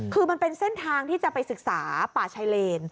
คือมันเป็นเส้นทางที่จะไปศึกษาป่าชายเลน